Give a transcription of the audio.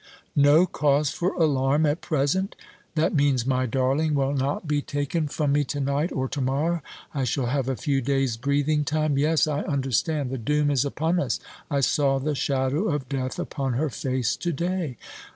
"No cause for alarm at present? That means my darling will not be taken from me to night, or to morrow. I shall have a few days breathing time. Yes, I understand. The doom is upon us. I saw the shadow of death upon her face to day."